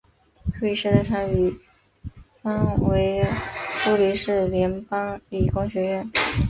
瑞士的参与方为苏黎世联邦理工学院。